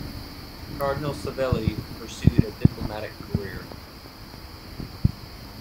Cardinal Savelli pursued a diplomatic career.